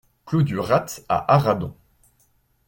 Clos du Ratz à Arradon